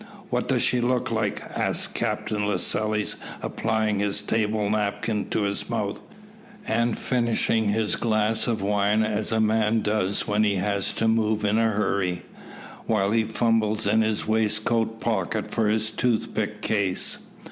"What does she look like?" asked Captain Lascelles, applying his table napkin to his mouth, and finishing his glass of wine as a man does when he has to move in a hurry, while he fumbles in his waistcoat pocket for his toothpick case.